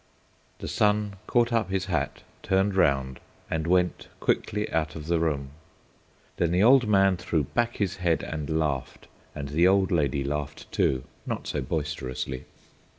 The son caught up his hat, turned round, and went quickly out of the room. Then the old man threw back his head and laughed, and the old lady laughed too, not so boisterously.